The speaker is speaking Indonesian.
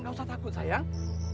tidak usah takut sayang